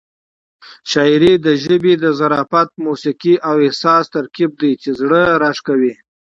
شاعري د ژبې د ظرافت، موسيقۍ او احساس ترکیب دی چې زړه راښکوي.